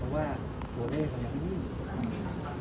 แต่ในการเจรจาคือในขณะที่ตัวเลขยังไม่นิ่งหนึ่งสามารถเจรจาได้หมด